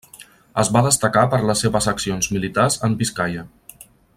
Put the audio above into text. Es va destacar per les seves accions militars en Biscaia.